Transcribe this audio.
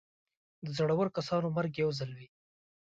د زړور کسانو مرګ یو ځل وي.